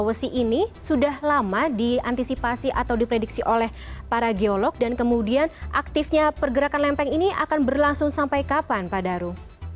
sulawesi ini sudah lama diantisipasi atau diprediksi oleh para geolog dan kemudian aktifnya pergerakan lempeng ini akan berlangsung sampai kapan pak daru